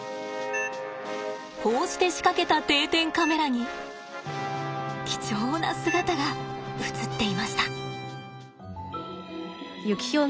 こうして仕掛けた定点カメラに貴重な姿が映っていました。